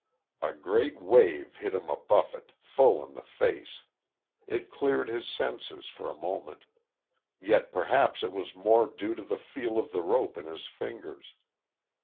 A great wave hit him a buffet, full in the face; it cleared his senses, for a moment; yet perhaps it was more due to the feel of the rope in his fingers....